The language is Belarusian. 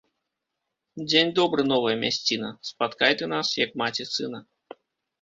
Дзень добры, новая мясціна! Спаткай ты нас, як маці сына